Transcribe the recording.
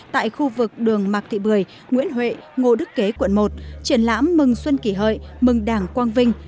tại khu vực đường mạc thị bưởi nguyễn huệ ngô đức kế quận một triển lãm mừng xuân kỷ hợi mừng đảng quang vinh